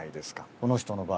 この人の場合は。